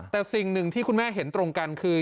แต่สิ่งหนึ่งที่คุณแม่เห็นตรงกันคือ